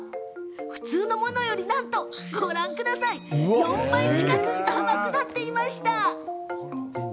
普通のものより、なんと４倍近く甘くなっていました。